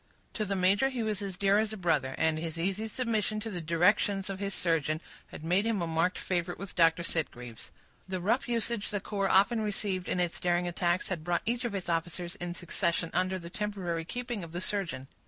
To the major he was as dear as a brother, and his easy submission to the directions of his surgeon had made him a marked favorite with Dr. Sitgreaves. The rough usage the corps often received in its daring attacks had brought each of its officers, in succession, under the temporary keeping of the surgeon.